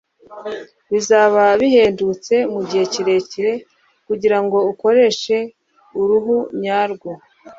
Bizaba bihendutse mugihe kirekire kugirango ukoreshe uruhu nyarwo.